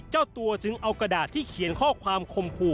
เจ้าตัวจึงเอากระดาษที่เขียนข้อความคมขู่